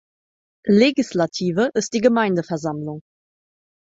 Legislative ist die Gemeindeversammlung.